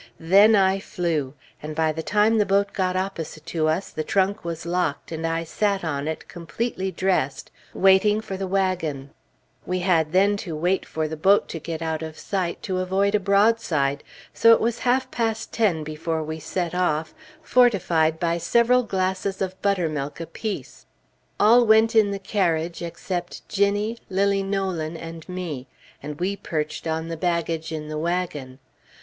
Then I flew; and by the time the boat got opposite to us, the trunk was locked, and I sat on it, completely dressed, waiting for the wagon, We had then to wait for the boat to get out of sight, to avoid a broadside; so it was half past ten before we set off, fortified by several glasses of buttermilk apiece. All went in the carriage except Ginnie, Lilly (Nolan), and me, and we perched on the baggage in the wagon.